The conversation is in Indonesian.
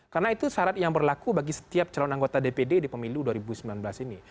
karena itu syarat yang berlaku bagi setiap calon anggota dpd di pemilu dua ribu sembilan belas ini